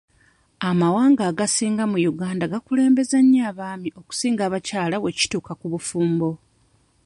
Amawanga agasinga mu Uganda gakulembeza nnyo abaami okusinga abakazi bwekituuka ku bufumbo.